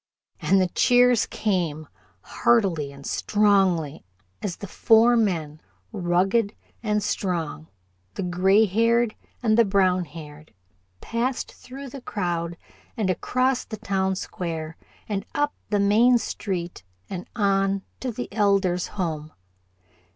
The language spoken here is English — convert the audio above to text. And the cheers came, heartily and strongly, as the four men, rugged and strong, the gray haired and the brown haired, passed through the crowd and across the town square and up the main street, and on to the Elder's home.